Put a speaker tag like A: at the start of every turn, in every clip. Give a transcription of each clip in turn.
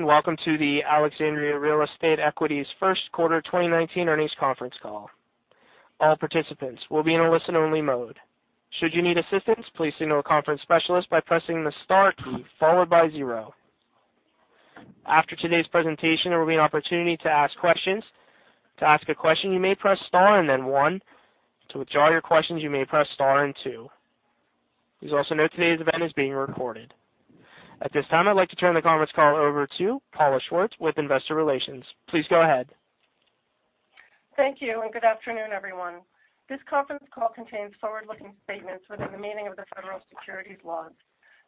A: Welcome to the Alexandria Real Estate Equities first quarter 2019 earnings conference call. All participants will be in a listen-only mode. Should you need assistance, please signal a conference specialist by pressing the star key followed by zero. After today's presentation, there will be an opportunity to ask questions. To ask a question, you may press star and then one. To withdraw your questions, you may press star and two. Please also note today's event is being recorded. At this time, I'd like to turn the conference call over to Paula Schwartz with Investor Relations. Please go ahead.
B: Thank you. Good afternoon, everyone. This conference call contains forward-looking statements within the meaning of the federal securities laws.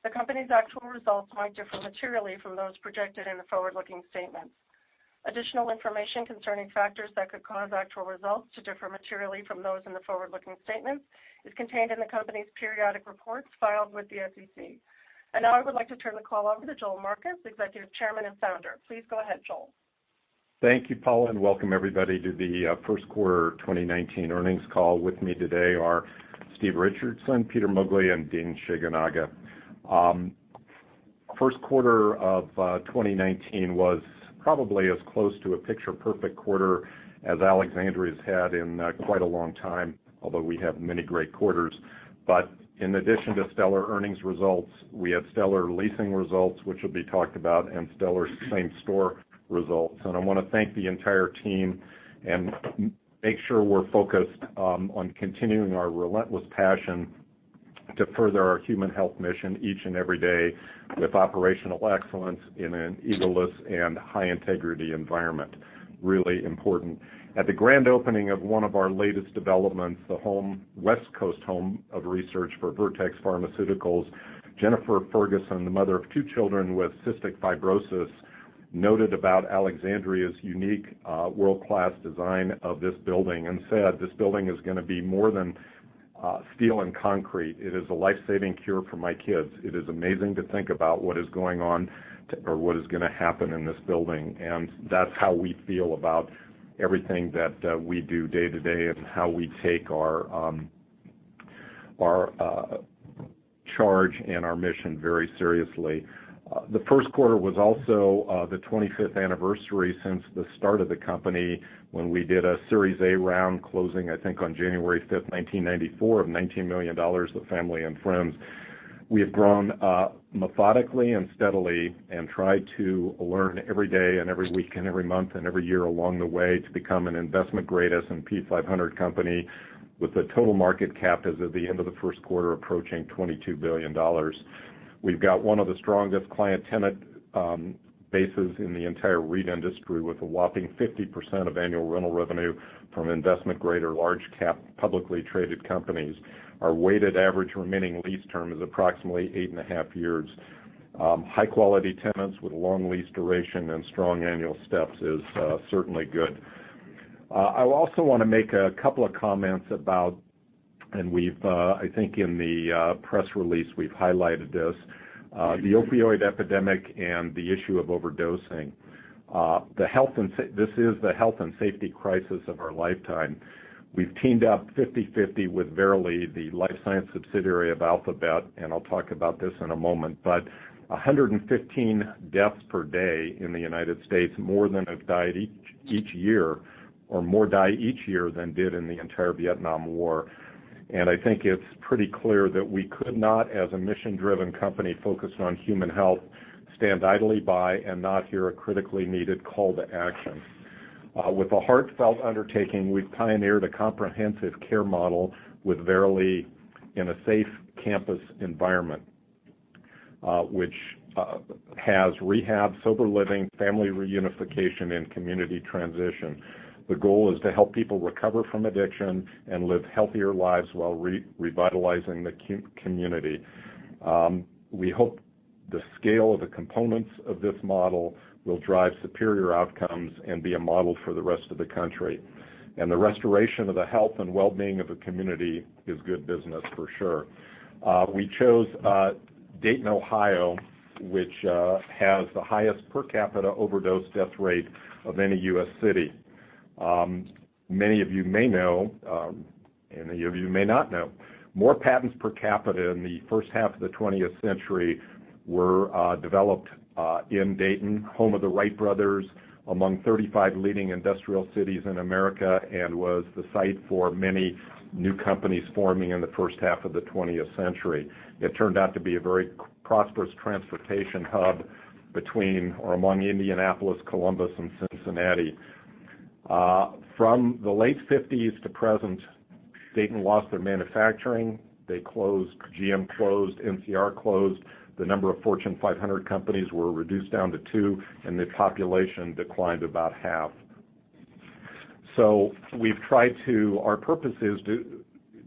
B: The company's actual results might differ materially from those projected in the forward-looking statements. Additional information concerning factors that could cause actual results to differ materially from those in the forward-looking statements is contained in the company's periodic reports filed with the SEC. Now I would like to turn the call over to Joel Marcus, Executive Chairman and Founder. Please go ahead, Joel.
C: Thank you, Paula. Welcome everybody to the first quarter 2019 earnings call. With me today are Steve Richardson, Peter Moglia, and Dean Shigenaga. First quarter of 2019 was probably as close to a picture-perfect quarter as Alexandria's had in quite a long time, although we have many great quarters. In addition to stellar earnings results, we had stellar leasing results, which will be talked about, and stellar same-store results. I want to thank the entire team and make sure we're focused on continuing our relentless passion to further our human health mission each and every day with operational excellence in an egoless and high-integrity environment, really important. At the grand opening of one of our latest developments, the West Coast home of research for Vertex Pharmaceuticals, Jennifer Ferguson, the mother of two children with cystic fibrosis, noted about Alexandria's unique world-class design of this building and said, "This building is going to be more than steel and concrete. It is a life-saving cure for my kids. It is amazing to think about what is going on, or what is going to happen in this building." That's how we feel about everything that we do day-to-day and how we take our charge and our mission very seriously. The first quarter was also the 25th anniversary since the start of the company, when we did a Series A round closing, I think on January 5th, 1994 of $19 million with family and friends. We have grown methodically and steadily and tried to learn every day and every week and every month and every year along the way to become an investment-grade S&P 500 company with a total market cap as of the end of the first quarter approaching $22 billion. We've got one of the strongest client tenant bases in the entire REIT industry, with a whopping 50% of annual rental revenue from investment-grade or large-cap publicly traded companies. Our weighted average remaining lease term is approximately eight and a half years. High-quality tenants with long lease duration and strong annual steps is certainly good. I also want to make a couple of comments about, and I think in the press release, we've highlighted this, the opioid epidemic and the issue of overdosing. This is the health and safety crisis of our lifetime. We've teamed up 50/50 with Verily, the life science subsidiary of Alphabet, and I'll talk about this in a moment, but 115 deaths per day in the U.S., more die each year than did in the entire Vietnam War. I think it's pretty clear that we could not, as a mission-driven company focused on human health, stand idly by and not hear a critically needed call to action. With a heartfelt undertaking, we've pioneered a comprehensive care model with Verily in a safe campus environment, which has rehab, sober living, family reunification, and community transition. The goal is to help people recover from addiction and live healthier lives while revitalizing the community. We hope the scale of the components of this model will drive superior outcomes and be a model for the rest of the country. The restoration of the health and well-being of a community is good business for sure. We chose Dayton, Ohio, which has the highest per capita overdose death rate of any U.S. city. Many of you may know, many of you may not know, more patents per capita in the first half of the 20th century were developed in Dayton, home of the Wright brothers, among 35 leading industrial cities in America and was the site for many new companies forming in the first half of the 20th century. It turned out to be a very prosperous transportation hub between or among Indianapolis, Columbus, and Cincinnati. From the late 1950s to present, Dayton lost their manufacturing. GM closed, NCR closed. The number of Fortune 500 companies were reduced down to two, the population declined about half. Our purpose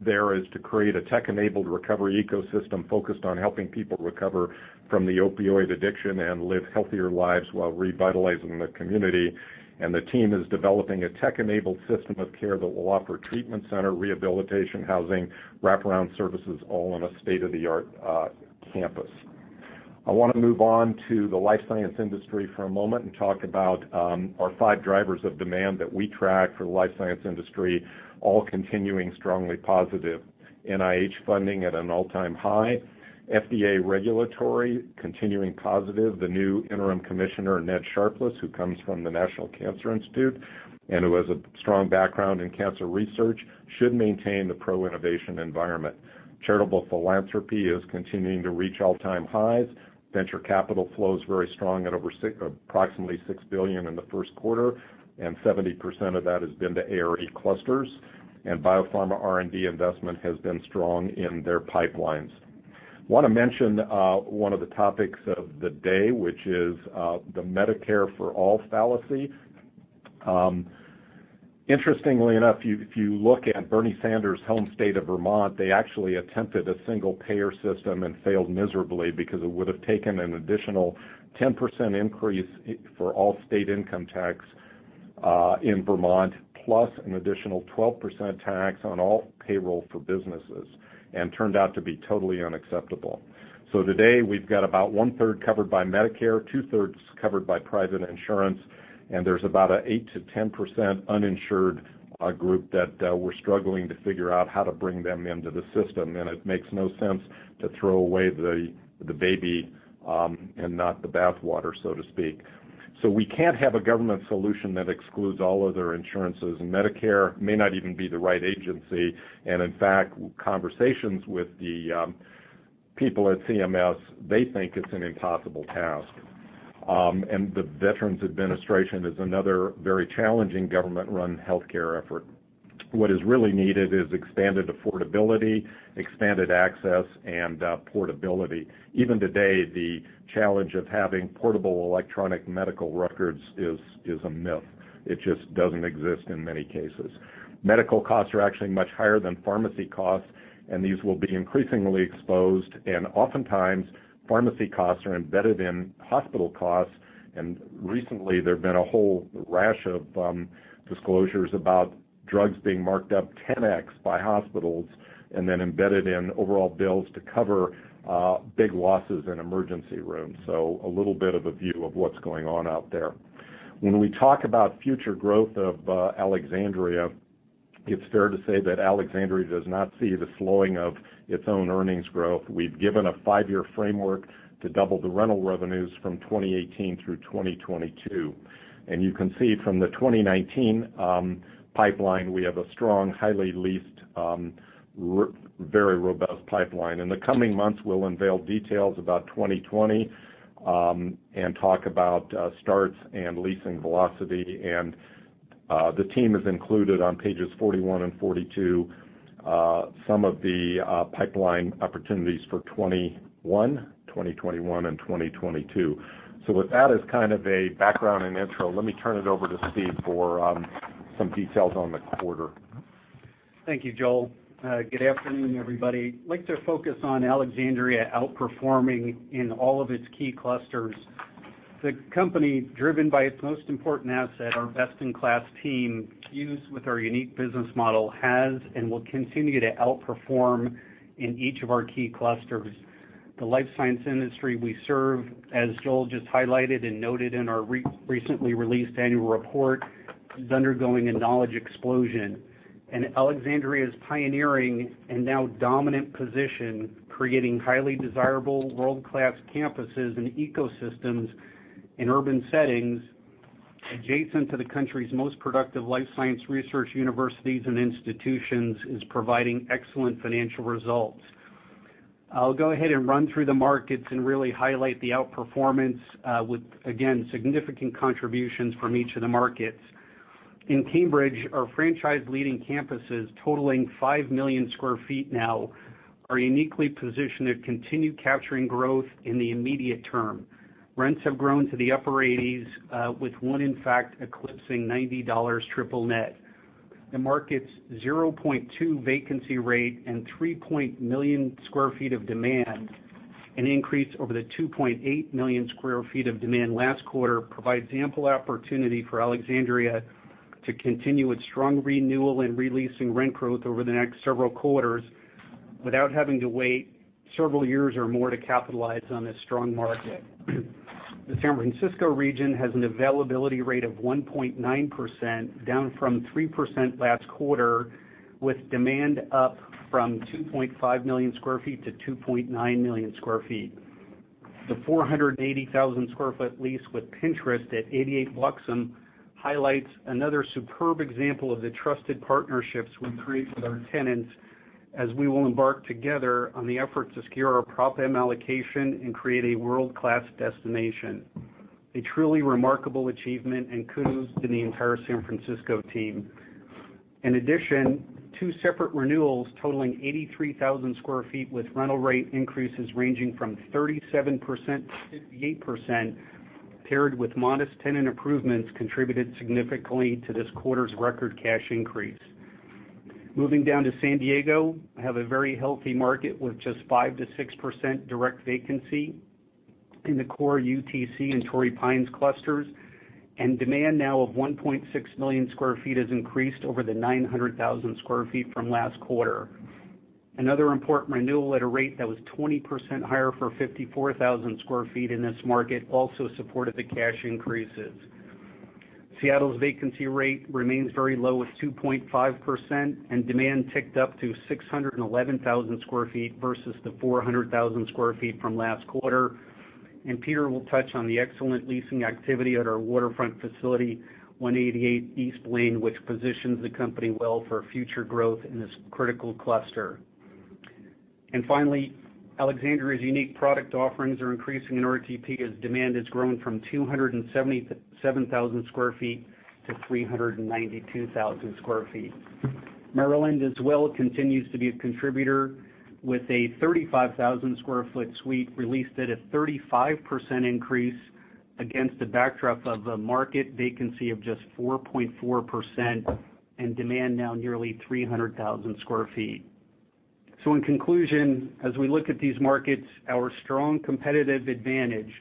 C: there is to create a tech-enabled recovery ecosystem focused on helping people recover from the opioid addiction and live healthier lives while revitalizing the community. The team is developing a tech-enabled system of care that will offer treatment center rehabilitation, housing, wraparound services, all on a state-of-the-art campus. I want to move on to the life science industry for a moment and talk about our five drivers of demand that we track for the life science industry, all continuing strongly positive. NIH funding at an all-time high. FDA regulatory continuing positive. The new interim commissioner, Ned Sharpless, who comes from the National Cancer Institute, who has a strong background in cancer research, should maintain the pro-innovation environment. Charitable philanthropy is continuing to reach all-time highs. Venture capital flow is very strong at over approximately $6 billion in the first quarter, 70% of that has been to ARE clusters. Biopharma R&D investment has been strong in their pipelines. I want to mention one of the topics of the day, which is the Medicare-for-all fallacy. Interestingly enough, if you look at Bernie Sanders' home state of Vermont, they actually attempted a single-payer system and failed miserably because it would have taken an additional 10% increase for all state income tax in Vermont, plus an additional 12% tax on all payroll for businesses, turned out to be totally unacceptable. Today, we've got about one-third covered by Medicare, two-thirds covered by private insurance, there's about an 8%-10% uninsured group that we're struggling to figure out how to bring them into the system. It makes no sense to throw away the baby and not the bathwater, so to speak. We can't have a government solution that excludes all other insurances. Medicare may not even be the right agency, in fact, conversations with the people at CMS, they think it's an impossible task. The Veterans Administration is another very challenging government-run healthcare effort. What is really needed is expanded affordability, expanded access, and portability. Even today, the challenge of having portable electronic medical records is a myth. It just doesn't exist in many cases. Medical costs are actually much higher than pharmacy costs, these will be increasingly exposed, oftentimes pharmacy costs are embedded in hospital costs. Recently there have been a whole rash of disclosures about drugs being marked up 10X by hospitals and then embedded in overall bills to cover big losses in emergency rooms. A little bit of a view of what's going on out there. When we talk about future growth of Alexandria, it's fair to say that Alexandria does not see the slowing of its own earnings growth. We've given a five-year framework to double the rental revenues from 2018 through 2022. You can see from the 2019 pipeline, we have a strong, highly leased, very robust pipeline. In the coming months, we'll unveil details about 2020, talk about starts and leasing velocity. The team has included on pages 41 and 42 some of the pipeline opportunities for 2021 and 2022. With that as kind of a background and intro, let me turn it over to Steve for some details on the quarter.
D: Thank you, Joel. Good afternoon, everybody. I like to focus on Alexandria outperforming in all of its key clusters. The company, driven by its most important asset, our best-in-class team, fused with our unique business model, has and will continue to outperform in each of our key clusters. The life science industry we serve, as Joel just highlighted and noted in our recently released annual report, is undergoing a knowledge explosion. Alexandria's pioneering and now dominant position, creating highly desirable world-class campuses and ecosystems in urban settings adjacent to the country's most productive life science research universities and institutions, is providing excellent financial results. I'll go ahead and run through the markets and really highlight the outperformance with, again, significant contributions from each of the markets. In Cambridge, our franchise-leading campuses, totaling 5 million sq ft now, are uniquely positioned to continue capturing growth in the immediate term. Rents have grown to the upper 80s, with one, in fact, eclipsing $90 triple-net. The market's 0.2 vacancy rate and 3 million sq ft of demand, an increase over the 2.8 million sq ft of demand last quarter, provides ample opportunity for Alexandria to continue its strong renewal and re-leasing rent growth over the next several quarters without having to wait several years or more to capitalize on this strong market. The San Francisco region has an availability rate of 1.9%, down from 3% last quarter, with demand up from 2.5 million sq ft to 2.9 million sq ft. The 480,000 sq ft lease with Pinterest at 88 Bluxome highlights another superb example of the trusted partnerships we create with our tenants as we will embark together on the effort to secure our Prop M allocation and create a world-class destination. A truly remarkable achievement and kudos to the entire San Francisco team. In addition, two separate renewals totaling 83,000 sq ft with rental rate increases ranging from 37%-58%, paired with modest tenant improvements, contributed significantly to this quarter's record cash increase. Moving down to San Diego, have a very healthy market with just 5%-6% direct vacancy in the core UTC and Torrey Pines clusters, and demand now of 1.6 million sq ft has increased over the 900,000 sq ft from last quarter. Another important renewal at a rate that was 20% higher for 54,000 sq ft in this market also supported the cash increases. Seattle's vacancy rate remains very low at 2.5%, and demand ticked up to 611,000 sq ft versus the 400,000 sq ft from last quarter. Peter will touch on the excellent leasing activity at our waterfront facility, 188 East Blaine, which positions the company well for future growth in this critical cluster. Finally, Alexandria's unique product offerings are increasing in RTP as demand has grown from 277,000 sq ft to 392,000 sq ft. Maryland as well continues to be a contributor with a 35,000 sq ft suite released at a 35% increase against the backdrop of a market vacancy of just 4.4%, and demand now nearly 300,000 sq ft. In conclusion, as we look at these markets, our strong competitive advantage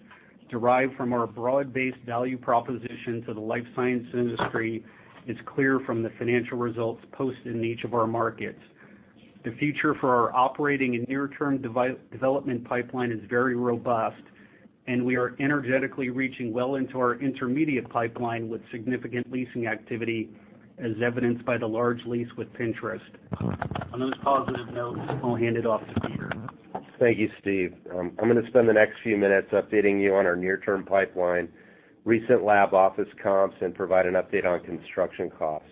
D: derived from our broad-based value proposition to the life science industry is clear from the financial results posted in each of our markets. The future for our operating and near-term development pipeline is very robust, and we are energetically reaching well into our intermediate pipeline with significant leasing activity, as evidenced by the large lease with Pinterest. On those positive notes, I'll hand it off to Peter.
E: Thank you, Steve. I'm going to spend the next few minutes updating you on our near-term pipeline, recent lab office comps, and provide an update on construction costs.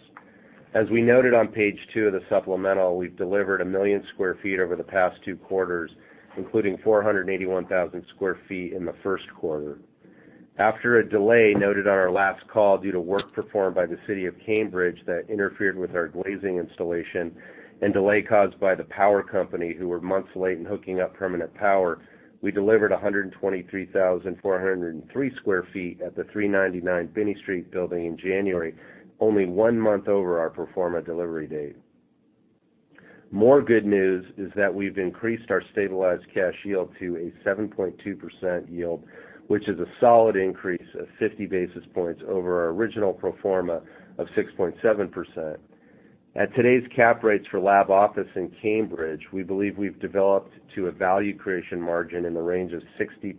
E: As we noted on page two of the supplemental, we've delivered 1 million square feet over the past two quarters, including 481,000 sq ft in the first quarter. After a delay noted on our last call due to work performed by the City of Cambridge that interfered with our glazing installation and delay caused by the power company, who were months late in hooking up permanent power, we delivered 123,403 sq ft at the 399 Binney Street building in January, only one month over our pro forma delivery date. More good news is that we've increased our stabilized cash yield to a 7.2% yield, which is a solid increase of 50 basis points over our original pro forma of 6.7%. At today's cap rates for lab office in Cambridge, we believe we've developed to a value creation margin in the range of 60%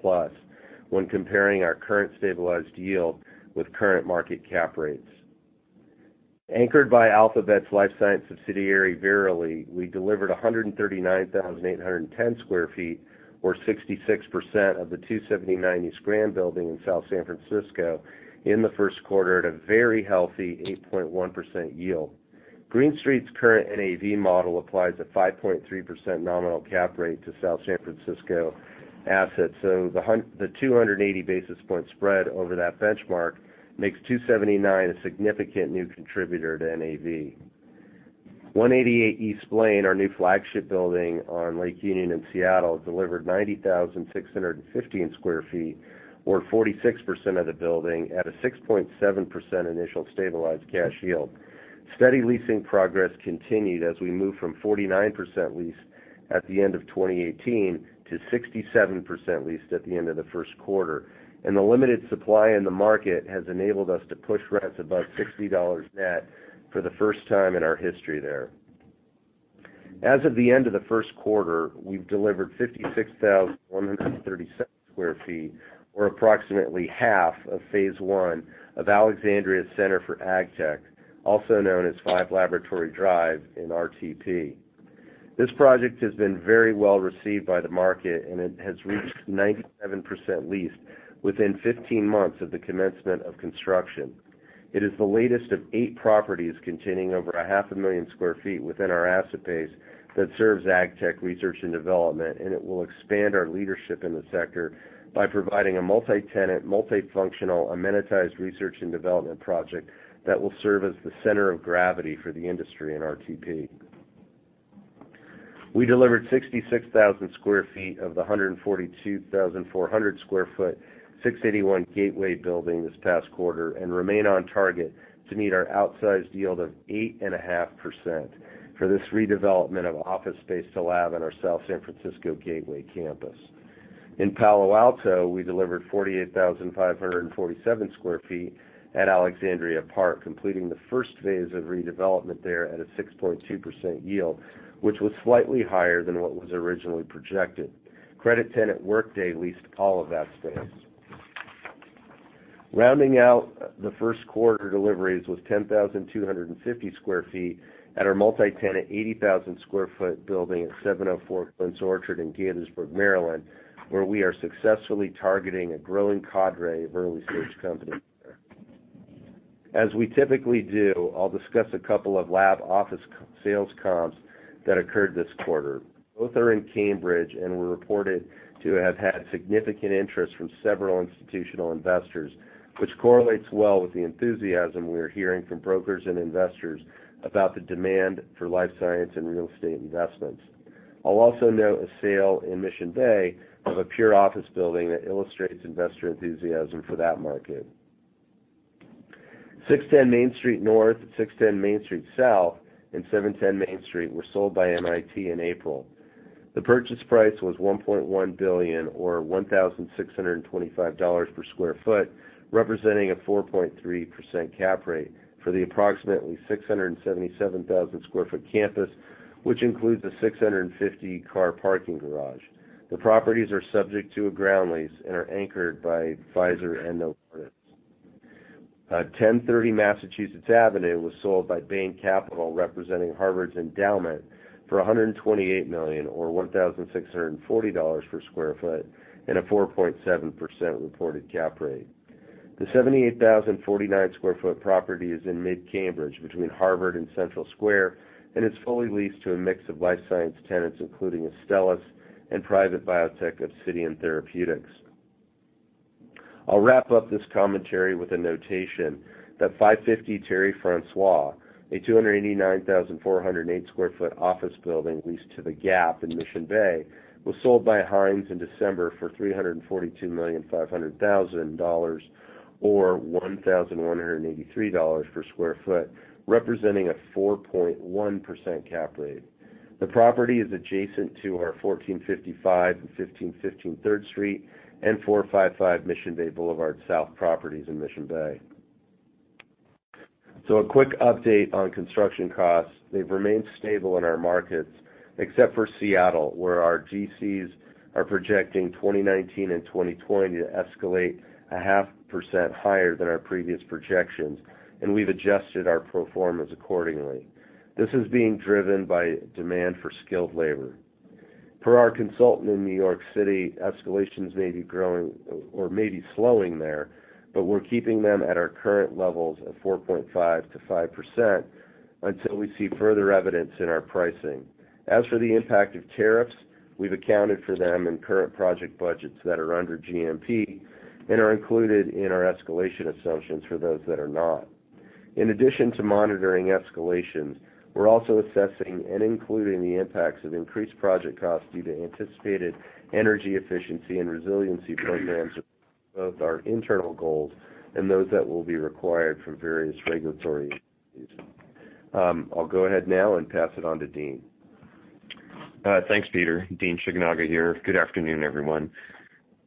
E: plus when comparing our current stabilized yield with current market cap rates. Anchored by Alphabet's life science subsidiary, Verily, we delivered 139,810 sq ft, or 66% of the 279 Grand building in South San Francisco in the first quarter at a very healthy 8.1% yield. Green Street's current NAV model applies a 5.3% nominal cap rate to South San Francisco assets. The 280 basis point spread over that benchmark makes 279 a significant new contributor to NAV. 188 East Blaine, our new flagship building on Lake Union in Seattle, delivered 90,615 sq ft, or 46% of the building, at a 6.7% initial stabilized cash yield. Steady leasing progress continued as we moved from 49% leased at the end of 2018 to 67% leased at the end of the first quarter. The limited supply in the market has enabled us to push rents above $60 net for the first time in our history there. As of the end of the first quarter, we've delivered 56,137 sq ft, or approximately half of phase one of Alexandria Center for AgTech, also known as Five Laboratory Drive in RTP. This project has been very well received by the market, and it has reached 97% leased within 15 months of the commencement of construction. It is the latest of eight properties containing over a half a million square feet within our asset base that serves AgTech research and development, and it will expand our leadership in the sector by providing a multi-tenant, multifunctional, amenitized research and development project that will serve as the center of gravity for the industry in RTP. We delivered 66,000 sq ft of the 142,400 sq ft 681 Gateway building this past quarter and remain on target to meet our outsized yield of 8.5% for this redevelopment of office space to lab in our South San Francisco Gateway campus. In Palo Alto, we delivered 48,547 sq ft at Alexandria Park, completing the first phase of redevelopment there at a 6.2% yield, which was slightly higher than what was originally projected. Credit tenant Workday leased all of that space. Rounding out the first quarter deliveries was 10,250 square feet at our multi-tenant 80,000 square foot building at 704 Quince Orchard in Gaithersburg, Maryland, where we are successfully targeting a growing cadre of early-stage companies. As we typically do, I'll discuss a couple of lab office sales comps that occurred this quarter. Both are in Cambridge and were reported to have had significant interest from several institutional investors, which correlates well with the enthusiasm we are hearing from brokers and investors about the demand for life science and real estate investments. I'll also note a sale in Mission Bay of a pure office building that illustrates investor enthusiasm for that market. 610 Main Street North, 610 Main Street South, and 710 Main Street were sold by MIT in April. The purchase price was $1.1 billion, or $1,625 per square foot, representing a 4.3% cap rate for the approximately 677,000 square foot campus, which includes a 650-car parking garage. The properties are subject to a ground lease and are anchored by Pfizer and Novartis. 1030 Massachusetts Avenue was sold by Bain Capital, representing Harvard's endowment, for $128 million, or $1,640 per square foot, and a 4.7% reported cap rate. The 78,049 square foot property is in mid-Cambridge between Harvard and Central Square, and it's fully leased to a mix of life science tenants, including Astellas and private biotech, Obsidian Therapeutics. I'll wrap up this commentary with a notation that 550 Terry Francois, a 289,408 square foot office building leased to The Gap in Mission Bay, was sold by Hines in December for $342,500,000, or $1,183 per square foot, representing a 4.1% cap rate. The property is adjacent to our 1455 and 1515 Third Street, and 455 Mission Bay Boulevard South properties in Mission Bay. A quick update on construction costs. They've remained stable in our markets, except for Seattle, where our GCs are projecting 2019 and 2020 to escalate a half percent higher than our previous projections, and we've adjusted our pro formas accordingly. This is being driven by demand for skilled labor. Per our consultant in New York City, escalations may be growing or may be slowing there, but we're keeping them at our current levels of 4.5% to 5% until we see further evidence in our pricing. As for the impact of tariffs, we've accounted for them in current project budgets that are under GMP and are included in our escalation assumptions for those that are not. In addition to monitoring escalations, we're also assessing and including the impacts of increased project costs due to anticipated energy efficiency and resiliency programs, both our internal goals and those that will be required for various regulatory agencies. I'll go ahead now and pass it on to Dean.
F: Thanks, Peter. Dean Shigenaga here. Good afternoon, everyone.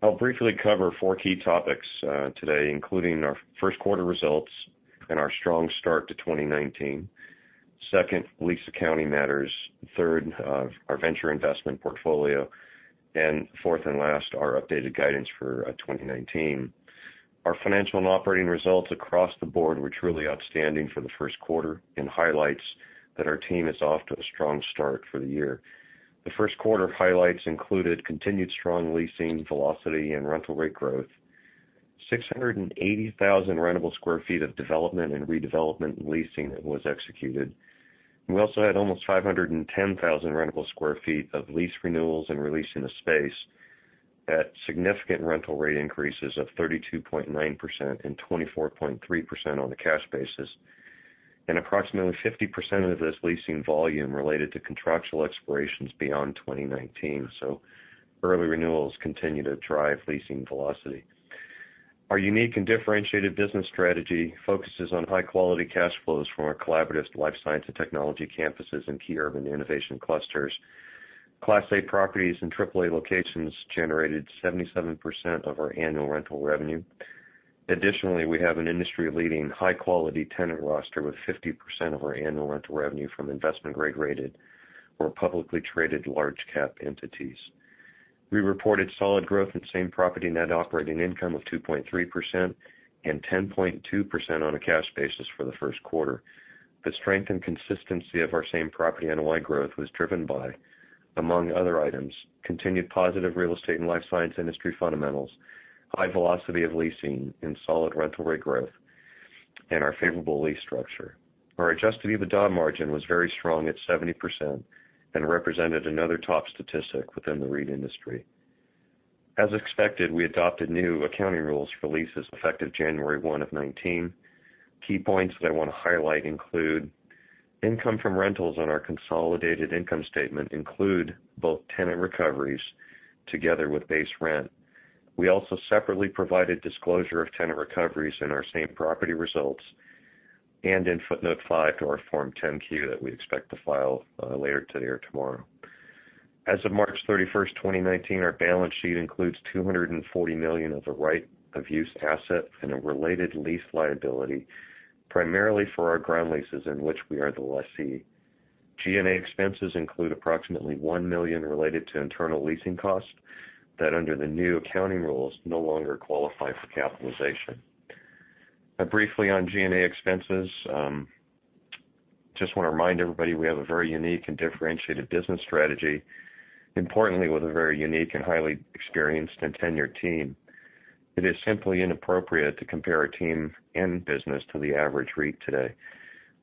F: I'll briefly cover four key topics today, including our first quarter results and our strong start to 2019. Second, lease accounting matters. Third, our venture investment portfolio. Fourth and last, our updated guidance for 2019. Our financial and operating results across the board were truly outstanding for the first quarter and highlights that our team is off to a strong start for the year. The first quarter highlights included continued strong leasing velocity and rental rate growth, 680,000 rentable square feet of development and redevelopment and leasing that was executed. We also had almost 510,000 rentable square feet of lease renewals and re-leasing of space at significant rental rate increases of 32.9% and 24.3% on a cash basis, and approximately 50% of this leasing volume related to contractual expirations beyond 2019. Early renewals continue to drive leasing velocity. Our unique and differentiated business strategy focuses on high-quality cash flows from our collaborative life science and technology campuses in key urban innovation clusters. Class A properties in AAA locations generated 77% of our annual rental revenue. Additionally, we have an industry-leading high-quality tenant roster with 50% of our annual rental revenue from investment grade rated or publicly traded large cap entities. We reported solid growth in same property net operating income of 2.3% and 10.2% on a cash basis for the first quarter. The strength and consistency of our same property NOI growth was driven by, among other items, continued positive real estate and life science industry fundamentals, high velocity of leasing and solid rental rate growth, and our favorable lease structure. Our adjusted EBITDA margin was very strong at 70% and represented another top statistic within the REIT industry. As expected, we adopted new accounting rules for leases effective January 1 of 2019. Key points that I want to highlight include income from rentals on our consolidated income statement include both tenant recoveries together with base rent. We also separately provided disclosure of tenant recoveries in our same property results and in footnote five to our Form 10-Q that we expect to file later today or tomorrow. As of March 31st, 2019, our balance sheet includes $240 million of the right of use asset and a related lease liability, primarily for our ground leases in which we are the lessee. G&A expenses include approximately one million related to internal leasing costs that under the new accounting rules, no longer qualify for capitalization. Briefly on G&A expenses, just want to remind everybody we have a very unique and differentiated business strategy, importantly with a very unique and highly experienced and tenured team. It is simply inappropriate to compare our team and business to the average REIT today.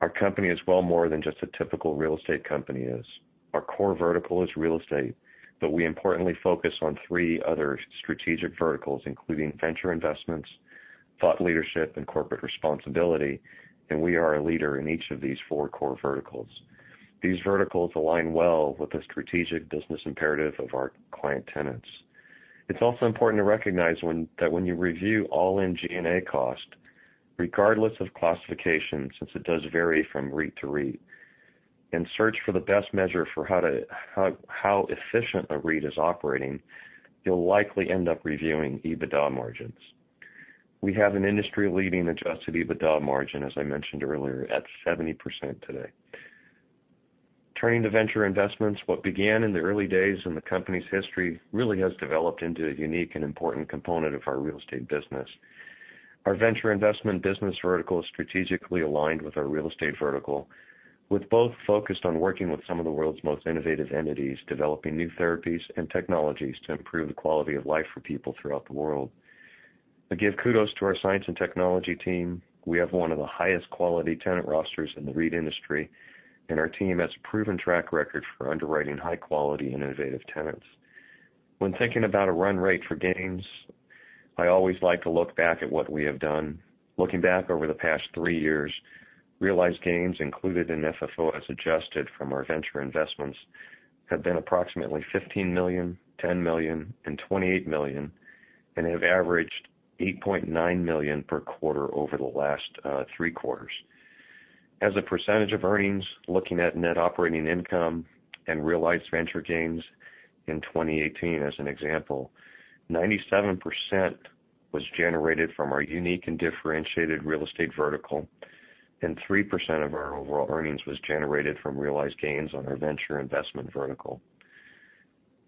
F: Our company is well more than just a typical real estate company is. Our core vertical is real estate, but we importantly focus on three other strategic verticals, including venture investments, thought leadership, and corporate responsibility, and we are a leader in each of these four core verticals. These verticals align well with the strategic business imperative of our client tenants. It's also important to recognize that when you review all-in G&A costs, regardless of classification, since it does vary from REIT to REIT, and search for the best measure for how efficient a REIT is operating, you'll likely end up reviewing EBITDA margins. We have an industry-leading adjusted EBITDA margin, as I mentioned earlier, at 70% today. Turning to venture investments. What began in the early days in the company's history really has developed into a unique and important component of our real estate business. Our venture investment business vertical is strategically aligned with our real estate vertical, with both focused on working with some of the world's most innovative entities, developing new therapies and technologies to improve the quality of life for people throughout the world. I give kudos to our science and technology team. We have one of the highest quality tenant rosters in the REIT industry, and our team has a proven track record for underwriting high quality and innovative tenants. When thinking about a run rate for gains, I always like to look back at what we have done. Looking back over the past three years, realized gains included in FFO, as adjusted from our venture investments, have been approximately $15 million, $10 million, and $28 million, and have averaged $8.9 million per quarter over the last three quarters. As a percentage of earnings, looking at net operating income and realized venture gains in 2018 as an example, 97% was generated from our unique and differentiated real estate vertical, and 3% of our overall earnings was generated from realized gains on our venture investment vertical.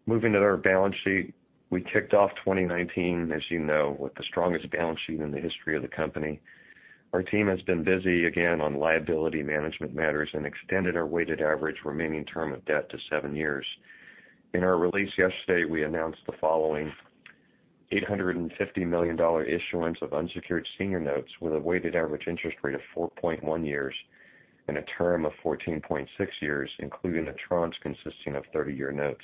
F: Moving to our balance sheet. We kicked off 2019, as you know, with the strongest balance sheet in the history of the company. Our team has been busy again on liability management matters and extended our weighted average remaining term of debt to seven years. In our release yesterday, we announced the following: $850 million issuance of unsecured senior notes with a weighted average interest rate of 4.1 years and a term of 14.6 years, including tranches consisting of 30-year notes.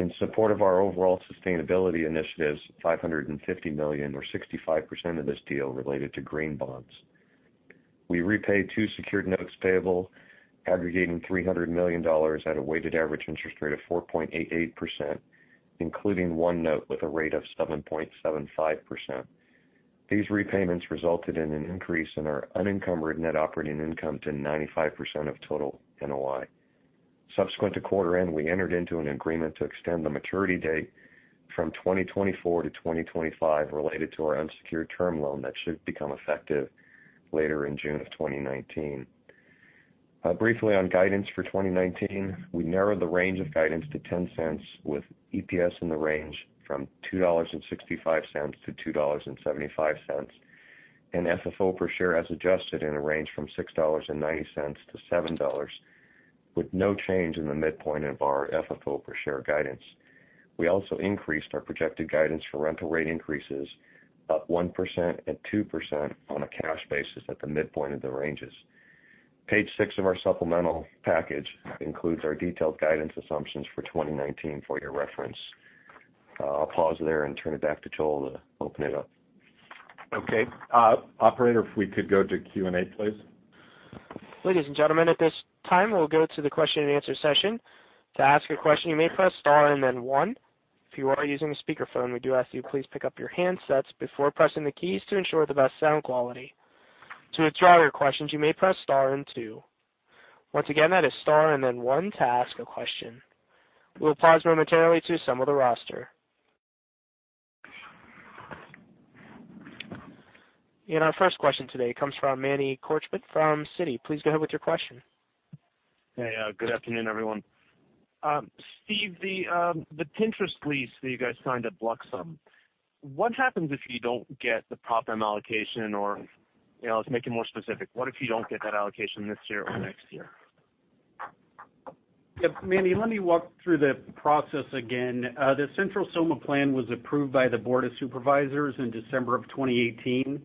F: In support of our overall sustainability initiatives, $550 million or 65% of this deal related to green bonds. We repaid two secured notes payable aggregating $300 million at a weighted average interest rate of 4.88%, including one note with a rate of 7.75%. These repayments resulted in an increase in our unencumbered net operating income to 95% of total NOI. Subsequent to quarter end, we entered into an agreement to extend the maturity date from 2024 to 2025 related to our unsecured term loan that should become effective later in June of 2019. Briefly on guidance for 2019. We narrowed the range of guidance to $0.10, with EPS in the range from $2.65-$2.75, and FFO per share, as adjusted, in a range from $6.90-$7, with no change in the midpoint of our FFO per share guidance. We also increased our projected guidance for rental rate increases up 1% and 2% on a cash basis at the midpoint of the ranges. Page six of our supplemental package includes our detailed guidance assumptions for 2019 for your reference. I'll pause there and turn it back to Joel to open it up.
C: Okay. Operator, if we could go to Q&A, please.
A: Ladies and gentlemen, at this time we'll go to the question and answer session. To ask a question, you may press star and then one. If you are using a speakerphone, we do ask you please pick up your handsets before pressing the keys to ensure the best sound quality. To withdraw your questions, you may press star and two. Once again, that is star and then one to ask a question. We'll pause momentarily to assemble the roster. Our first question today comes from Manny Korchman from Citi. Please go ahead with your question.
G: Hey, good afternoon, everyone. Steve, the Pinterest lease that you guys signed at Bluxome, what happens if you don't get the pro tem allocation or, let's make it more specific, what if you don't get that allocation this year or next year?
D: Yep. Manny, let me walk through the process again. The Central SoMa Plan was approved by the Board of Supervisors in December 2018.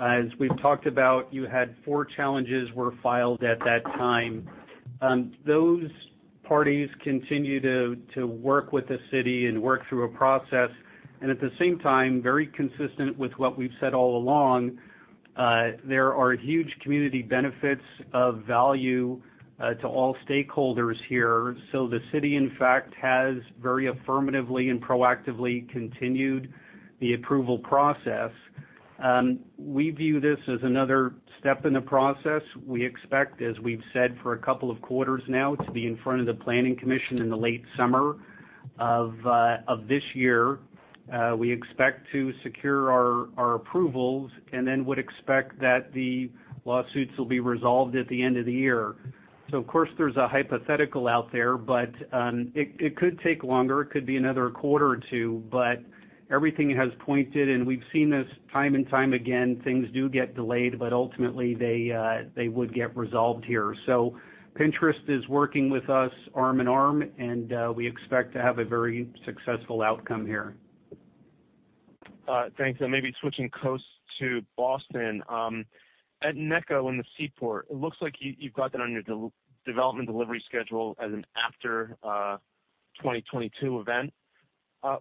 D: As we've talked about, you had four challenges were filed at that time. Those parties continue to work with the city and work through a process, and at the same time, very consistent with what we've said all along, there are huge community benefits of value to all stakeholders here. The city, in fact, has very affirmatively and proactively continued the approval process. We view this as another step in the process. We expect, as we've said for a couple of quarters now, to be in front of the Planning Commission in the late summer of this year. We expect to secure our approvals and then would expect that the lawsuits will be resolved at the end of the year. Of course, there's a hypothetical out there, but it could take longer. It could be another quarter or 2. Everything has pointed, and we've seen this time and time again, things do get delayed, but ultimately they would get resolved here. Pinterest is working with us arm in arm, and we expect to have a very successful outcome here.
G: Thanks. Maybe switching coasts to Boston. At NECCO in the Seaport, it looks like you've got that on your development delivery schedule as an after 2022 event.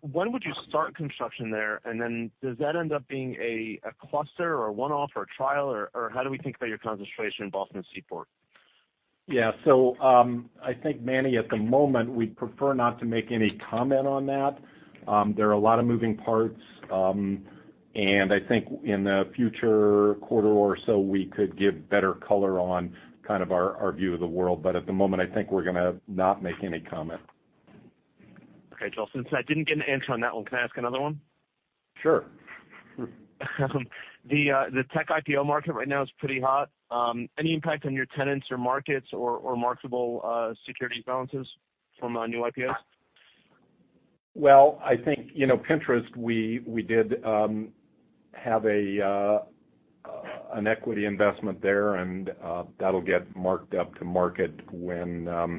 G: When would you start construction there? Then does that end up being a cluster or a one-off or a trial, or how do we think about your concentration in Boston Seaport?
C: I think, Manny, at the moment, we'd prefer not to make any comment on that. There are a lot of moving parts. I think in a future quarter or so, we could give better color on kind of our view of the world. At the moment, I think we're going to not make any comment.
G: Joel, since I didn't get an answer on that one, can I ask another one?
C: Sure.
G: The tech IPO market right now is pretty hot. Any impact on your tenants or markets or marketable securities balances from new IPOs?
C: I think Pinterest, we did have an equity investment there, and that'll get marked up to market when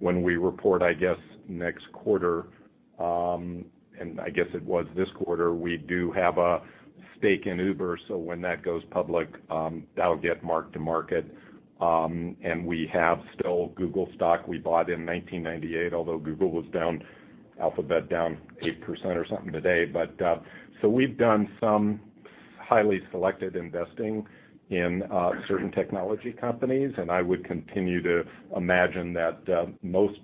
C: we report, I guess, next quarter. I guess it was this quarter, we do have a stake in Uber, so when that goes public, that'll get marked to market. We have still Google stock we bought in 1998, although Google was down, Alphabet down 8% or something today. We've done some highly selected investing in certain technology companies, and I would continue to imagine that most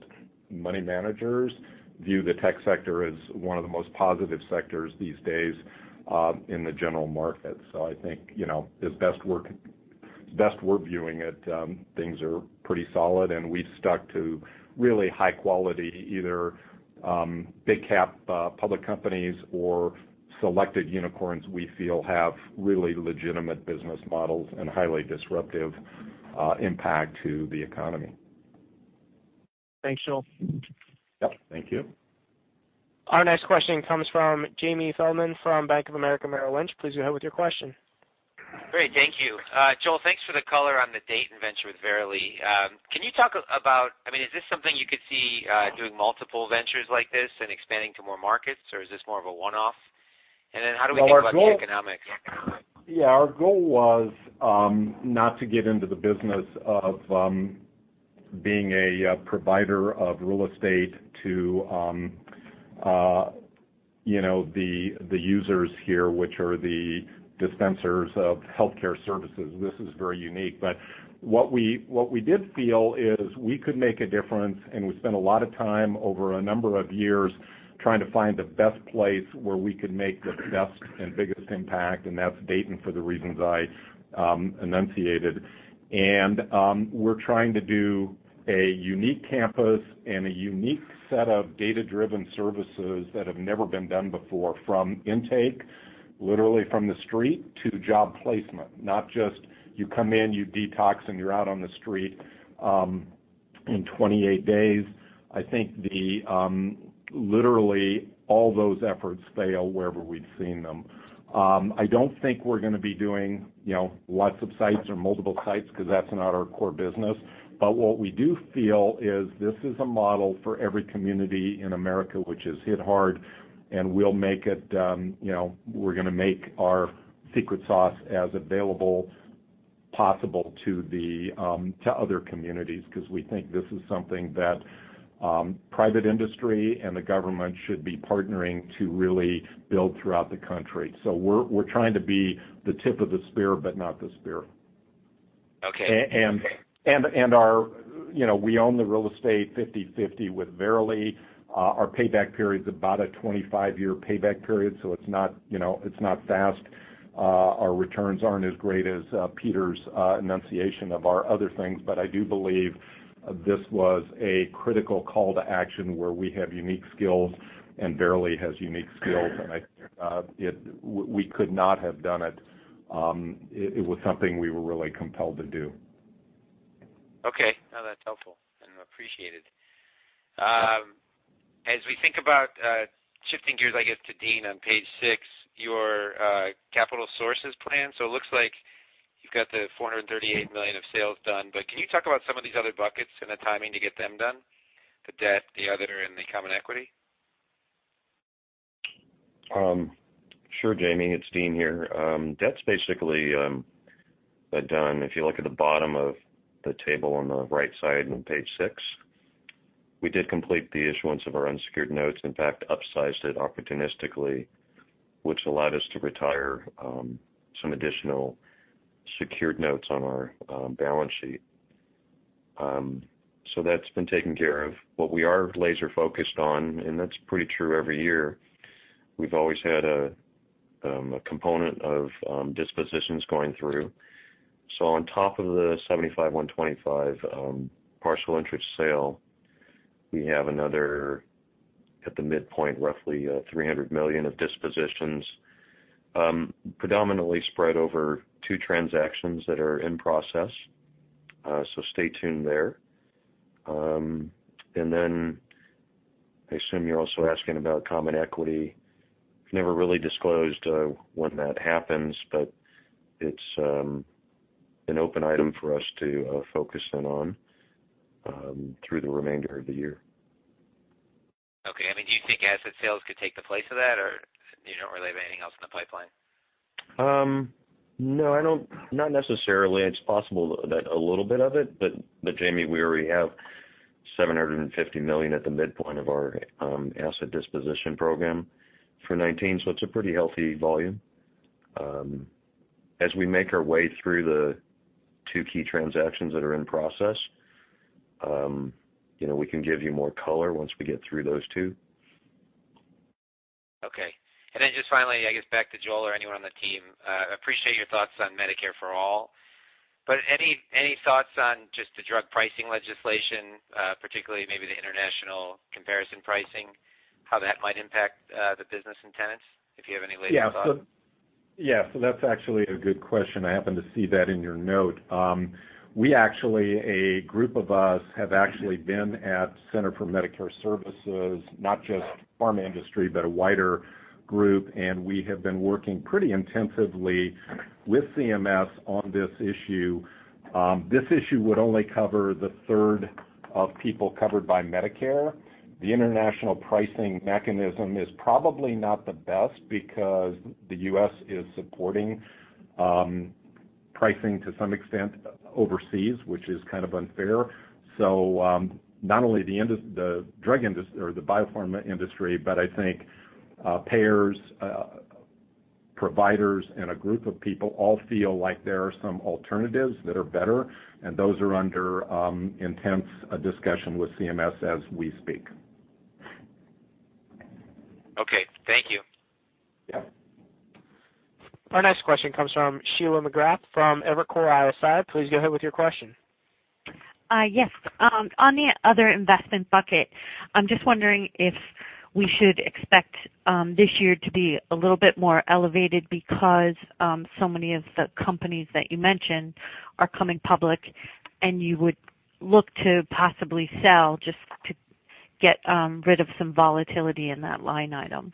C: money managers view the tech sector as one of the most positive sectors these days in the general market. I think, as best we're viewing it, things are pretty solid, and we've stuck to really high quality, either big cap public companies or selected unicorns we feel have really legitimate business models and highly disruptive impact to the economy.
F: Thanks, Joel.
C: Yep. Thank you.
A: Our next question comes from Jamie Feldman from Bank of America Merrill Lynch. Please go ahead with your question.
H: Great. Thank you. Joel, thanks for the color on the Dayton venture with Verily. Can you talk about, is this something you could see doing multiple ventures like this and expanding to more markets, or is this more of a one-off? Then how do we think about the economics?
C: Yeah, our goal was not to get into the business of being a provider of real estate to the users here, which are the dispensers of healthcare services. This is very unique. What we did feel is we could make a difference, and we spent a lot of time over a number of years trying to find the best place where we could make the best and biggest impact, and that's Dayton for the reasons I enunciated. We're trying to do a unique campus and a unique set of data-driven services that have never been done before, from intake, literally from the street to job placement. Not just you come in, you detox, and you're out on the street in 28 days. I think literally all those efforts fail wherever we've seen them. I don't think we're going to be doing lots of sites or multiple sites because that's not our core business. What we do feel is this is a model for every community in America which is hit hard, and we're going to make our secret sauce as available possible to other communities, because we think this is something that private industry and the government should be partnering to really build throughout the country. We're trying to be the tip of the spear, but not the spear.
H: Okay.
C: We own the real estate 50/50 with Verily. Our payback period's about a 25-year payback period, so it's not fast. Our returns aren't as great as Peter's enunciation of our other things. I do believe this was a critical call to action where we have unique skills and Verily has unique skills. We could not have done it. It was something we were really compelled to do.
H: Okay. No, that's helpful and appreciated. As we think about shifting gears, I guess, to Dean on page six, your capital sources plan. It looks like you've got the $438 million of sales done, can you talk about some of these other buckets and the timing to get them done, the debt, the other, and the common equity?
F: Sure, Jamie, it's Dean here. Debt's basically done. If you look at the bottom of the table on the right side on page six, we did complete the issuance of our unsecured notes, in fact, upsized it opportunistically, which allowed us to retire some additional secured notes on our balance sheet. That's been taken care of. What we are laser-focused on, and that's pretty true every year, we've always had a component of dispositions going through. On top of the 75/125 partial interest sale, we have another at the midpoint, roughly $300 million of dispositions predominantly spread over two transactions that are in process. Stay tuned there. Then I assume you're also asking about common equity. Never really disclosed when that happens, but it's an open item for us to focus in on through the remainder of the year.
H: Okay. Do you think asset sales could take the place of that, or you don't really have anything else in the pipeline?
F: No, not necessarily. It's possible that a little bit of it, Jamie, we already have $750 million at the midpoint of our asset disposition program for 2019, it's a pretty healthy volume. As we make our way through the two key transactions that are in process, we can give you more color once we get through those two.
H: Okay. Just finally, I guess back to Joel or anyone on the team. Appreciate your thoughts on Medicare for All. Any thoughts on just the drug pricing legislation, particularly maybe the international comparison pricing, how that might impact the business and tenants, if you have any latest thoughts?
C: Yeah. That's actually a good question. I happened to see that in your note. A group of us have actually been at Centers for Medicare & Medicaid Services, not just pharma industry, but a wider group, and we have been working pretty intensively with CMS on this issue. This issue would only cover the third of people covered by Medicare. The international pricing mechanism is probably not the best because the U.S. is supporting pricing to some extent overseas, which is kind of unfair. Not only the biopharma industry, but I think payers, providers, and a group of people all feel like there are some alternatives that are better, and those are under intense discussion with CMS as we speak.
H: Okay. Thank you.
C: Yeah.
A: Our next question comes from Sheila McGrath from Evercore ISI. Please go ahead with your question.
I: Yes. On the other investment bucket, I'm just wondering if we should expect this year to be a little bit more elevated because so many of the companies that you mentioned are coming public and you would look to possibly sell just to get rid of some volatility in that line item.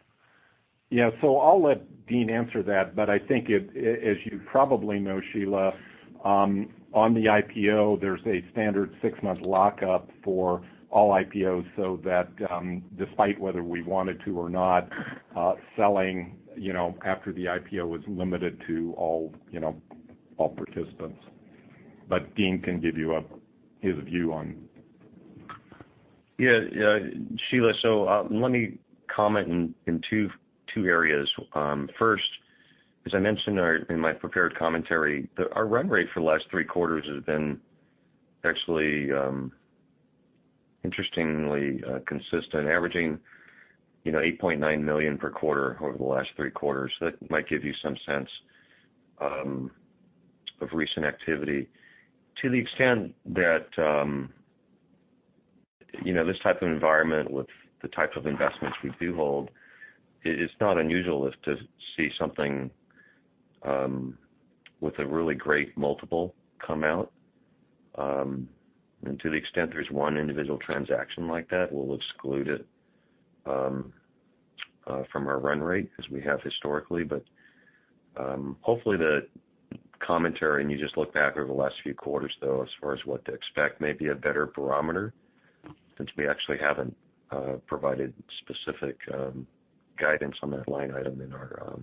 C: Yeah. I'll let Dean answer that, but I think as you probably know, Sheila, on the IPO, there's a standard 6-month lockup for all IPOs, so that despite whether we wanted to or not, selling after the IPO was limited to all participants. Dean can give you his view on.
F: Yeah. Sheila, let me comment in two areas. First, as I mentioned in my prepared commentary, our run rate for the last three quarters has been actually interestingly consistent, averaging $8.9 million per quarter over the last three quarters. That might give you some sense of recent activity. To the extent that this type of environment with the type of investments we do hold, it's not unusual to see something with a really great multiple come out. To the extent there's one individual transaction like that, we'll exclude it from our run rate as we have historically. Hopefully the commentary, and you just look back over the last few quarters, though, as far as what to expect may be a better barometer, since we actually haven't provided specific guidance on that line item in our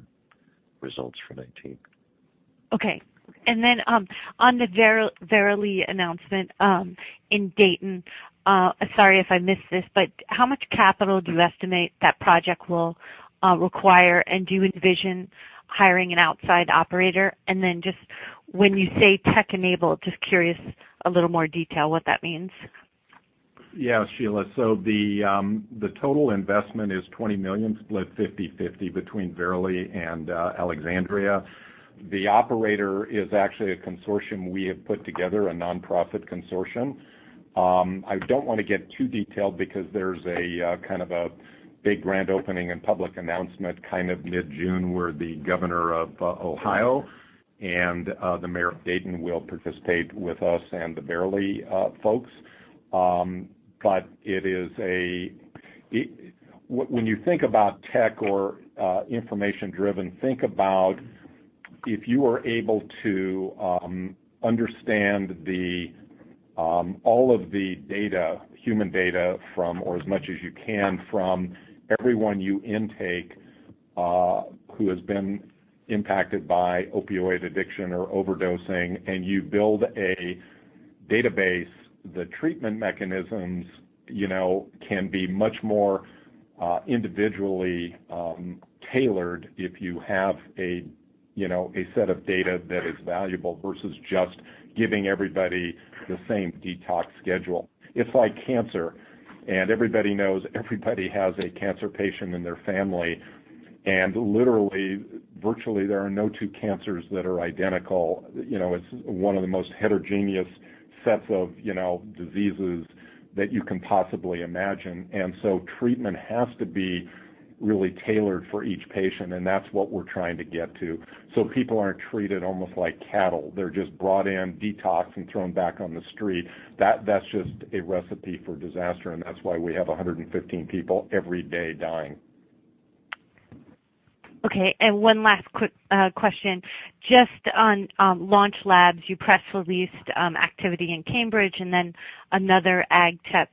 F: results for 2019.
I: Okay. On the Verily announcement in Dayton, sorry if I missed this, but how much capital do you estimate that project will require, and do you envision hiring an outside operator? When you say tech-enabled, just curious a little more detail what that means.
C: Yeah. Sheila, the total investment is $20 million, split 50/50 between Verily and Alexandria. The operator is actually a consortium we have put together, a nonprofit consortium. I don't want to get too detailed because there's a kind of a big grand opening and public announcement kind of mid-June where the governor of Ohio and the mayor of Dayton will participate with us and the Verily folks. When you think about tech or information-driven, think about if you are able to understand all of the human data or as much as you can from everyone you intake who has been impacted by opioid addiction or overdosing, and you build a database, the treatment mechanisms can be much more individually tailored if you have a set of data that is valuable versus just giving everybody the same detox schedule. It's like cancer, and everybody knows everybody has a cancer patient in their family. Literally, virtually, there are no two cancers that are identical. It's one of the most heterogeneous sets of diseases that you can possibly imagine. Treatment has to be really tailored for each patient, and that's what we're trying to get to. People aren't treated almost like cattle. They're just brought in, detoxed, and thrown back on the street. That's just a recipe for disaster, and that's why we have 115 people every day dying.
I: Okay, one last quick question. On Alexandria LaunchLabs, you press released activity in Cambridge and another AgTech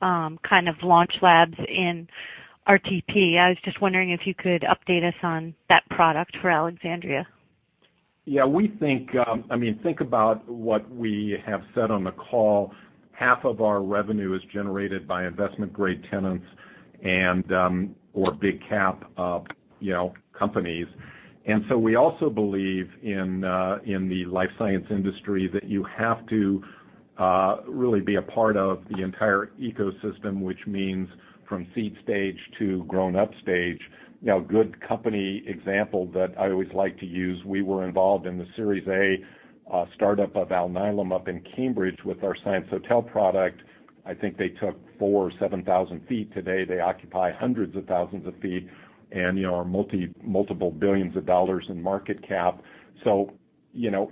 I: kind of Alexandria LaunchLabs in RTP. Could you update us on that product for Alexandria.
C: Yeah. Think about what we have said on the call. Half of our revenue is generated by investment-grade tenants or big cap companies. We also believe in the life science industry that you have to really be a part of the entire ecosystem, which means from seed stage to grown-up stage. A good company example that I always like to use, we were involved in the Series A startup of Alnylam up in Cambridge with our science hotel product. I think they took 4,000 or 7,000 feet. Today, they occupy hundreds of thousands of feet and are multiple billions of dollars in market cap.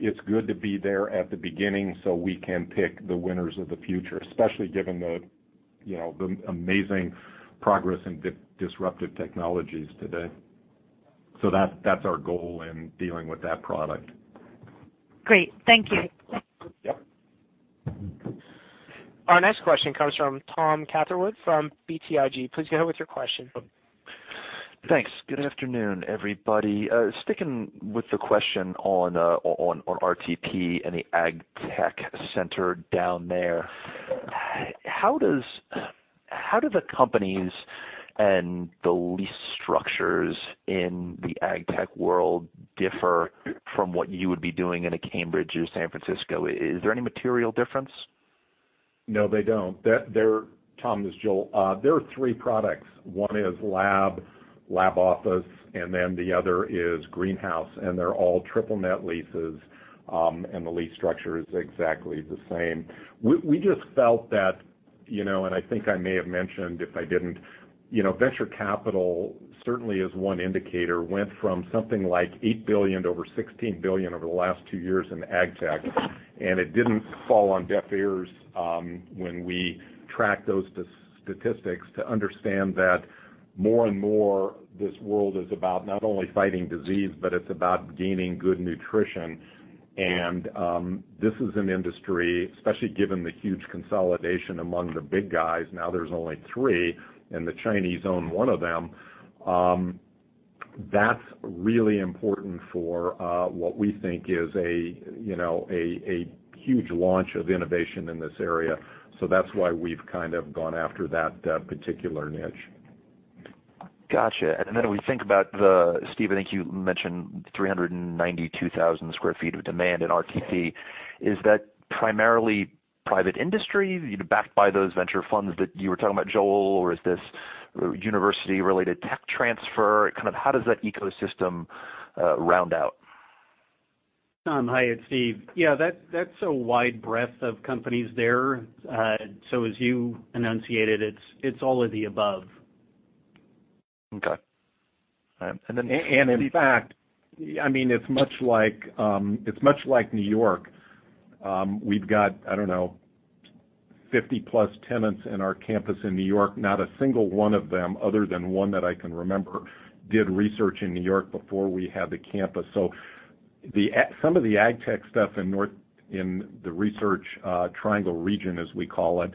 C: It's good to be there at the beginning so we can pick the winners of the future, especially given the amazing progress in disruptive technologies today. That's our goal in dealing with that product.
I: Great. Thank you.
C: Yep.
A: Our next question comes from Thomas Catherwood from BTIG. Please go ahead with your question.
J: Thanks. Good afternoon, everybody. Sticking with the question on RTP and the AgTech center down there, how do the companies and the lease structures in the AgTech world differ from what you would be doing in a Cambridge or San Francisco? Is there any material difference?
C: No, they don't. Tom, this is Joel. There are three products. One is lab office, and then the other is greenhouse, and they're all triple-net leases, and the lease structure is exactly the same. We just felt that, I think I may have mentioned, if I didn't, venture capital certainly is one indicator, went from something like $8 billion to over $16 billion over the last two years in AgTech, it didn't fall on deaf ears when we tracked those statistics to understand that more and more this world is about not only fighting disease, but it's about gaining good nutrition. This is an industry, especially given the huge consolidation among the big guys. Now there's only three, and the Chinese own one of them. That's really important for what we think is a huge launch of innovation in this area. That's why we've kind of gone after that particular niche.
J: Got you. We think about the, Steve, I think you mentioned 392,000 sq ft of demand in RTP. Is that primarily private industry backed by those venture funds that you were talking about, Joel, or is this university-related tech transfer? Kind of how does that ecosystem round out?
D: Tom, hi, it's Steve. That's a wide breadth of companies there. As you enunciated, it's all of the above.
J: Okay. All right.
C: In fact, it's much like New York. We've got, I don't know, 50-plus tenants in our campus in New York. Not a single one of them, other than one that I can remember, did research in New York before we had the campus. Some of the AgTech stuff in the Research Triangle region, as we call it,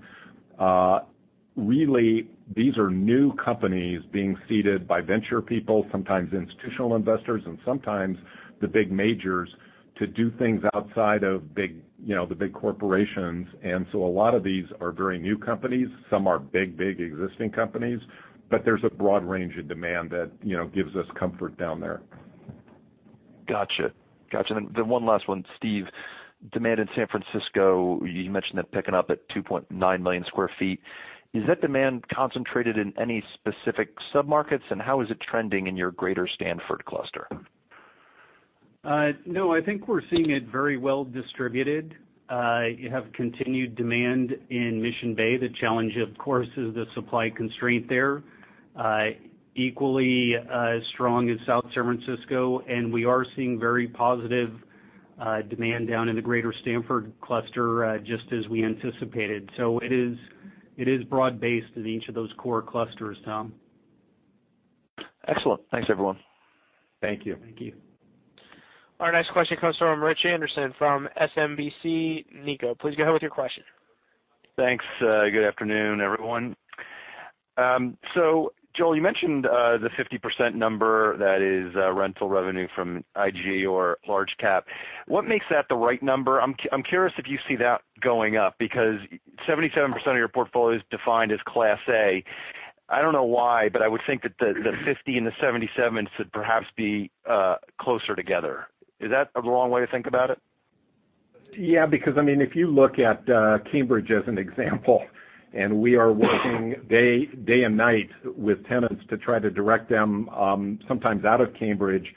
C: really, these are new companies being seeded by venture people, sometimes institutional investors, and sometimes the big majors to do things outside of the big corporations. A lot of these are very new companies. Some are big existing companies, but there's a broad range of demand that gives us comfort down there.
J: Got you. Then one last one. Steve, demand in San Francisco, you mentioned that picking up at 2.9 million sq ft. Is that demand concentrated in any specific submarkets, and how is it trending in your greater Stanford cluster?
D: No, I think we're seeing it very well distributed. You have continued demand in Mission Bay. The challenge, of course, is the supply constraint there. Equally as strong as South San Francisco, and we are seeing very positive demand down in the greater Stanford cluster, just as we anticipated. It is broad-based in each of those core clusters, Tom.
J: Excellent. Thanks, everyone.
C: Thank you.
D: Thank you.
A: Our next question comes from Rich Anderson from SMBC Nikko. Please go ahead with your question.
K: Thanks. Good afternoon, everyone. Joel, you mentioned the 50% number that is rental revenue from IG or large cap. What makes that the right number? I'm curious if you see that going up, because 77% of your portfolio is defined as Class A. I don't know why, but I would think that the 50 and the 77 should perhaps be closer together. Is that a wrong way to think about it?
C: Yeah, because if you look at Cambridge as an example, we are working day and night with tenants to try to direct them sometimes out of Cambridge.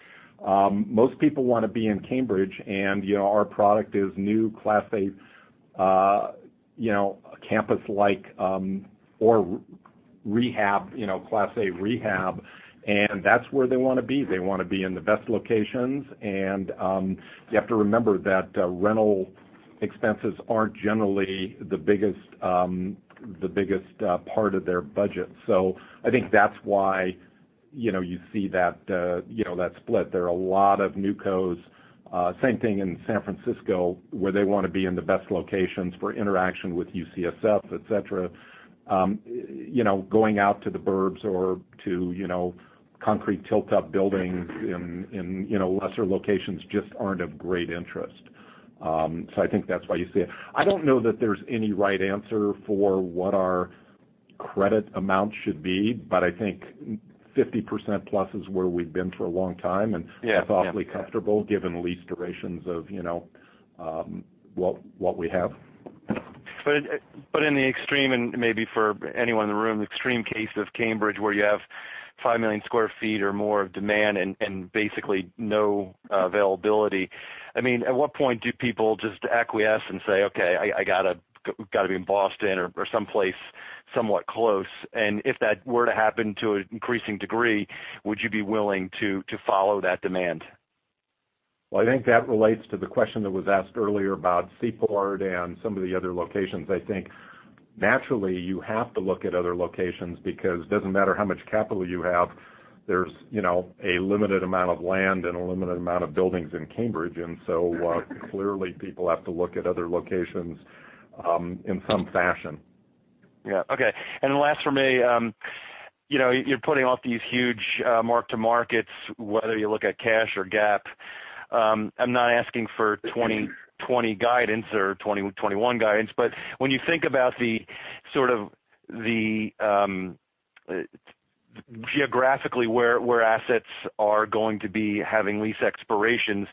C: Most people want to be in Cambridge, our product is new Class A campus-like or Class A rehab, that's where they want to be. They want to be in the best locations, you have to remember that rental expenses aren't generally the biggest part of their budget. I think that's why you see that split. There are a lot of newcos. Same thing in San Francisco, where they want to be in the best locations for interaction with UCSF, et cetera. Going out to the burbs or to concrete tilt-up buildings in lesser locations just aren't of great interest. I think that's why you see it. I don't know that there's any right answer for what our credit amount should be, but I think 50% plus is where we've been for a long time.
K: Yeah
C: I'm thoughtfully comfortable given the lease durations of what we have.
K: In the extreme, and maybe for anyone in the room, the extreme case of Cambridge where you have 5 million sq ft or more of demand and basically no availability. At what point do people just acquiesce and say, "Okay, I got to be in Boston or someplace somewhat close." If that were to happen to an increasing degree, would you be willing to follow that demand?
C: Well, I think that relates to the question that was asked earlier about Seaport and some of the other locations. I think naturally you have to look at other locations because it doesn't matter how much capital you have, there's a limited amount of land and a limited amount of buildings in Cambridge. Clearly, people have to look at other locations, in some fashion.
K: Yeah. Okay. Last from me, you're putting off these huge mark-to-markets, whether you look at cash or GAAP. I'm not asking for 2020 guidance or 2021 guidance, but when you think about geographically where assets are going to be having lease expirations,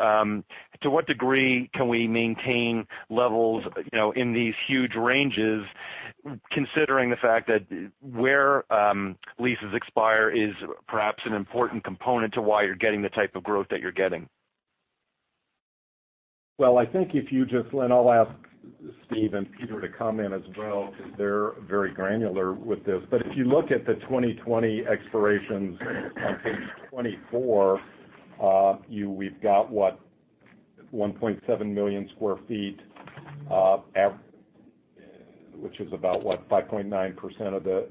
K: to what degree can we maintain levels in these huge ranges, considering the fact that where leases expire is perhaps an important component to why you're getting the type of growth that you're getting?
C: Well, I think if you just, I'll ask Steve and Peter to comment as well because they're very granular with this. If you look at the 2020 expirations, I think 24, we've got 1.7 million sq ft, which is about 5.9% of the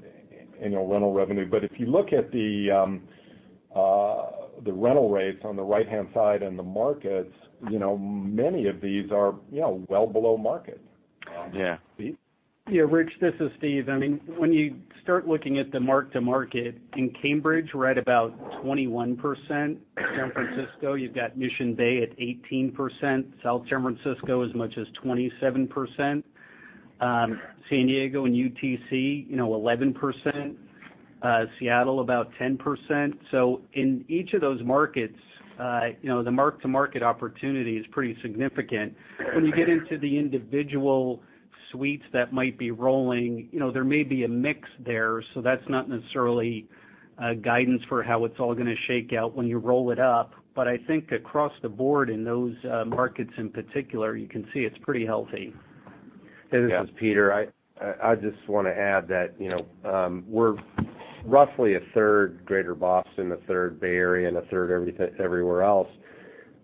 C: annual rental revenue. If you look at the rental rates on the right-hand side and the markets, many of these are well below market.
K: Yeah.
C: Steve?
D: Yeah, Rich, this is Steve. When you start looking at the mark-to-market in Cambridge, right about 21%, San Francisco, you've got Mission Bay at 18%, South San Francisco, as much as 27%, San Diego and UTC, 11%, Seattle, about 10%. In each of those markets, the mark-to-market opportunity is pretty significant. When you get into the individual suites that might be rolling, there may be a mix there. That's not necessarily a guidance for how it's all going to shake out when you roll it up. I think across the board in those markets in particular, you can see it's pretty healthy.
K: Yeah.
E: Hey, this is Peter. I just want to add that we're roughly a third Greater Boston, a third Bay Area, and a third everywhere else.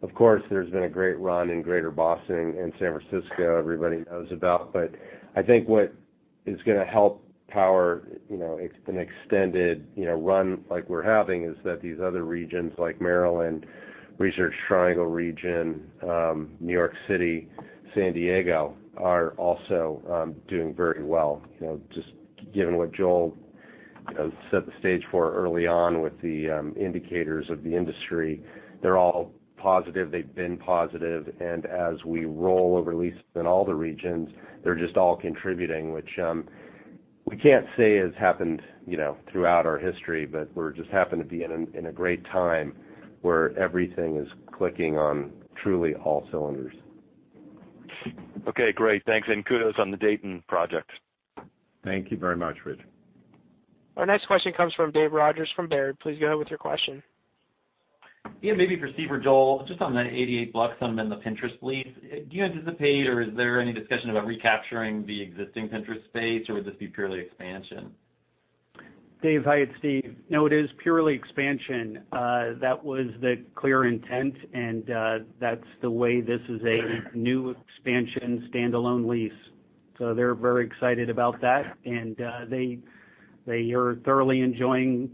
E: Of course, there's been a great run in Greater Boston and San Francisco, everybody knows about. I think what is going to help power an extended run like we're having is that these other regions like Maryland, Research Triangle Region, New York City, San Diego, are also doing very well. Just given what Joel set the stage for early on with the indicators of the industry, they're all positive. They've been positive. As we roll over leases in all the regions, they're just all contributing, which we can't say has happened throughout our history. We just happen to be in a great time where everything is clicking on truly all cylinders.
K: Okay, great. Thanks, kudos on the Dayton project.
C: Thank you very much, Rich.
A: Our next question comes from Dave Rodgers from Baird. Please go ahead with your question.
L: Yeah, maybe for Steve or Joel, just on that 88 Bluxome, the Pinterest lease. Do you anticipate, or is there any discussion about recapturing the existing Pinterest space, or would this be purely expansion?
D: Dave, hi, it's Steve. No, it is purely expansion. That was the clear intent. That's the way this is a new expansion standalone lease. They're very excited about that. They are thoroughly enjoying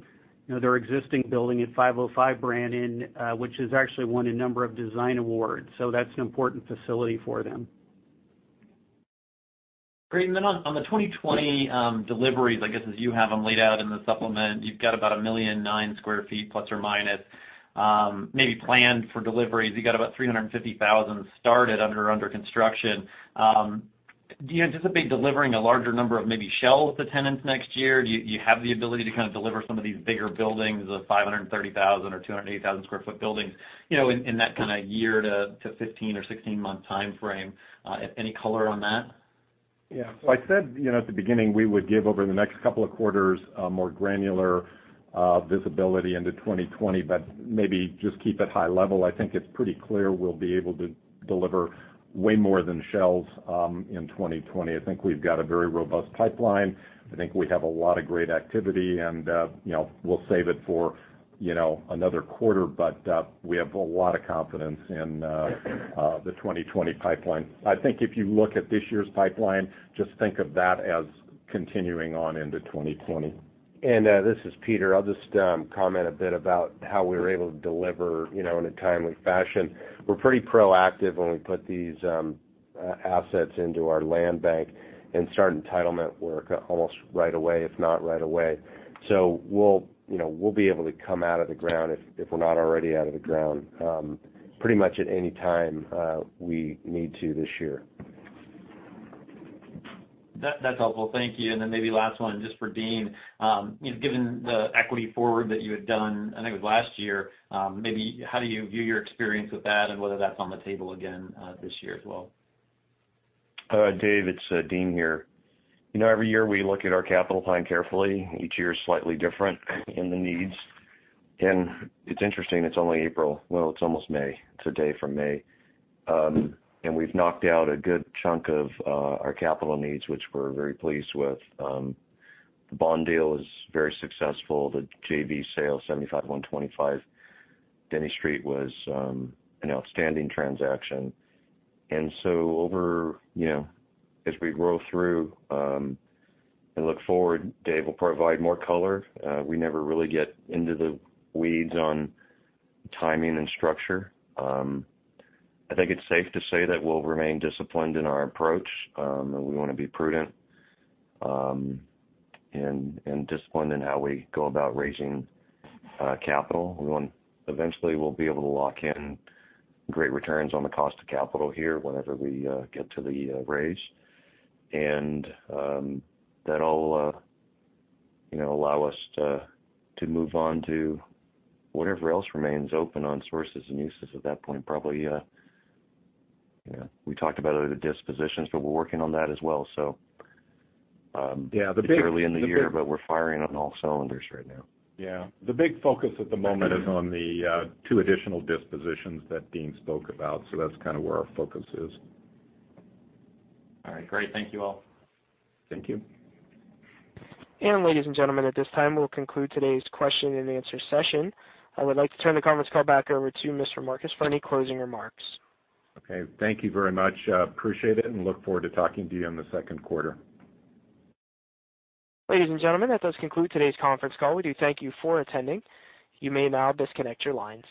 D: their existing building at 505 Brannan, which has actually won a number of design awards. That's an important facility for them.
L: Great. On the 2020 deliveries, I guess, as you have them laid out in the supplement, you've got about 1,000,009 sq ft, ±, maybe planned for deliveries. You've got about 350,000 started under construction. Do you anticipate delivering a larger number of maybe shells to tenants next year? Do you have the ability to deliver some of these bigger buildings of 530,000 or 280,000 sq ft buildings in that kind of year to 15 or 16 month timeframe? Any color on that?
C: I said at the beginning, we would give over the next couple of quarters a more granular visibility into 2020, but maybe just keep it high level. I think it's pretty clear we'll be able to deliver way more than shells in 2020. I think we've got a very robust pipeline. I think we have a lot of great activity. We'll save it for another quarter, but we have a lot of confidence in the 2020 pipeline. I think if you look at this year's pipeline, just think of that as continuing on into 2020.
E: This is Peter. I'll just comment a bit about how we were able to deliver in a timely fashion. We're pretty proactive when we put these assets into our land bank and start entitlement work almost right away, if not right away. We'll be able to come out of the ground, if we're not already out of the ground, pretty much at any time we need to this year.
L: That's helpful. Thank you. Then maybe last one, just for Dean. Given the equity forward that you had done, I think it was last year, maybe how do you view your experience with that and whether that's on the table again, this year as well?
F: Dave, it's Dean here. Every year we look at our capital plan carefully. Each year is slightly different in the needs. It's interesting, it's only April. Well, it's almost May. It's a day from May. We've knocked out a good chunk of our capital needs, which we're very pleased with. The bond deal is very successful. The JV sale, 75/125 Denny Street was an outstanding transaction. As we roll through, and look forward, Dave, we'll provide more color. We never really get into the weeds on timing and structure. I think it's safe to say that we'll remain disciplined in our approach. That we want to be prudent and disciplined in how we go about raising capital. Eventually, we'll be able to lock in great returns on the cost of capital here whenever we get to the raise. That'll allow us to move on to whatever else remains open on sources and uses at that point. Probably, we talked about other dispositions, but we're working on that as well.
C: Yeah.
F: It's early in the year, but we're firing on all cylinders right now.
C: Yeah. The big focus at the moment is on the two additional dispositions that Dean spoke about. That's kind of where our focus is.
L: All right. Great. Thank you all.
C: Thank you.
A: Ladies and gentlemen, at this time, we'll conclude today's question and answer session. I would like to turn the conference call back over to Mr. Marcus for any closing remarks.
C: Okay. Thank you very much. Appreciate it, and look forward to talking to you in the second quarter.
A: Ladies and gentlemen, that does conclude today's conference call. We do thank you for attending. You may now disconnect your lines.